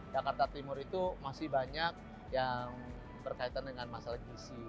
jakarta timur itu masih banyak yang berkaitan dengan masalah gisi